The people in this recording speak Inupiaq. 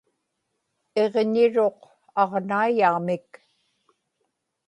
iġñiruq aġnaiyaamik